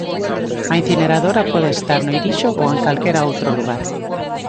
A incineradora pode estar no Irixo "ou en calquera outro lugar".